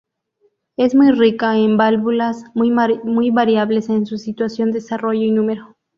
Es muy rica en válvulas, muy variables en su situación, desarrollo y número.